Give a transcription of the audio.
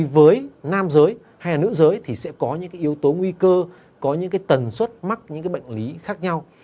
với nam giới hay là nữ giới thì sẽ có những yếu tố nguy cơ có những tần suất mắc những bệnh lý khác nhau